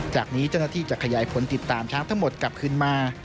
จากนี้เจ้าหน้าที่จะขยายผลติดตามช้างทั้งหมดกลับขึ้นมา